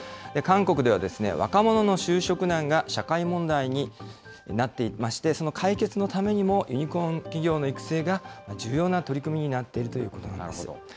韓国では、若者の就職難が社会問題になっていまして、その解決のためにもユニコーン企業の育成が重要な取り組みになっているということなんです。